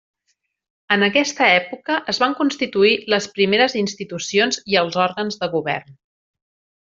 En aquesta època es van constituir les primeres institucions i els òrgans de govern.